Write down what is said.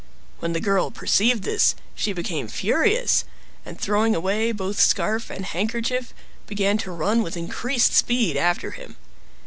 When the girl perceived this, she became furious, and throwing away both scarf and handkerchief began to run with increased speed after him.